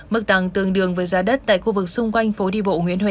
mức tăng tương đương với giá đất tại khu vực xung quanh phố đi bộ nguyễn huệ